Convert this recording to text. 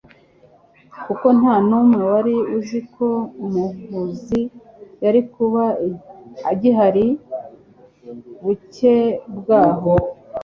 kuko nta n'umwe wari uzi ko Umuvuzi yari kuba agihari bukcye bwaho.